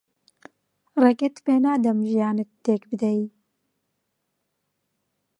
ڕێگەت پێ نادەم ژیانت تێک بدەیت.